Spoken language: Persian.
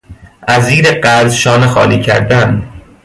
از زیر قرض شانه خالی کردن